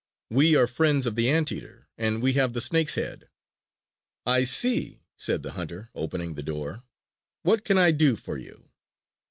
"We are friends of the Anteater, and we have the snake's head!" "I see," said the hunter opening the door. "What can I do for you?"